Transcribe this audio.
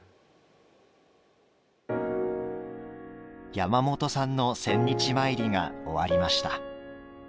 山本さんの千日詣りが終わりました。